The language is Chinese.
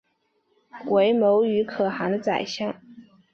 为牟羽可汗的宰相。